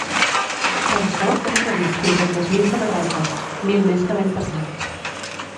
Per açò hem previst fins a tres mil samarretes, mil més que l’any passat.